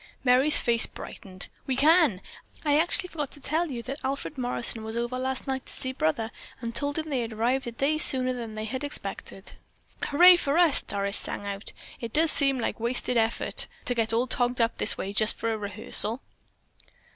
Merry's face brightened. "We can! I actually forgot to tell you that Alfred Morrison was over last night to see Brother and told him they had arrived a day sooner than they had expected." "Hurray for us!" Doris sang out. "It does seem like wasted effort to get all togged up this way just for a rehearsal."